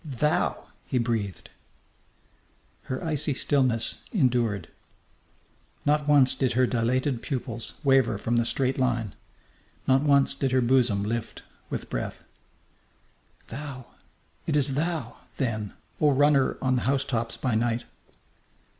"Thou!" he breathed. Her icy stillness endured. Not once did her dilated pupils waver from the straight line. Not once did her bosom lift with breath. "Thou! It is thou, then, O runner on the housetops by night!"